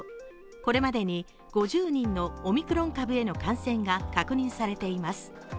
これまでに５０人のオミクロン株への感染が確認されています。